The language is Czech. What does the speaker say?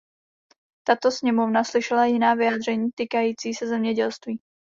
Tato sněmovna slyšela jiná vyjádření týkající se zemědělství.